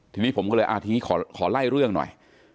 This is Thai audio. ทีนี้ผมก็เลยทีนี้ขอไล่เรื่องหน่อย